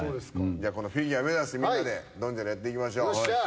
じゃこのフィギュア目指してみんなでドンジャラやっていきましょう。